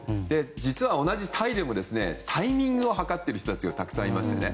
実は同じ大義でもタイミングを図っている人がたくさんいますね。